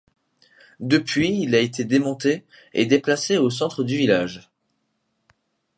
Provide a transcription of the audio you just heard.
Depuis il a été démonté et déplacé au centre du village.